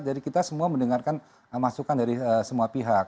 jadi kita semua mendengarkan masukan dari semua pihak